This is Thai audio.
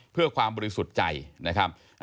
เพื่อความบริสุทธิ์ใจนะครับ